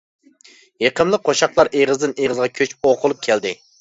يېقىملىق قوشاقلار ئېغىزدىن ئېغىزغا كۆچۈپ ئوقۇلۇپ كەلدى.